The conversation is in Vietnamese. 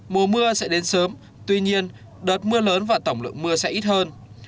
mùa mưa sẽ đến sớm tuy nhiên đợt mưa lớn và tổng lượng mưa sẽ ít hơn